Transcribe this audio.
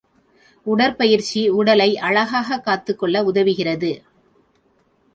உடற்பயிற்சி உடலை அழகாகக் காத்துக் கொள்ள உதவுகிறது.